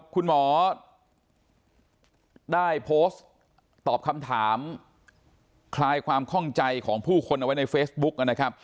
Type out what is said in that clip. คุณหมอได้โพสต์ตอบคำถามคลายความข้องใจของผู้คนเอาไว้ในเฟซบุ๊กนะครับ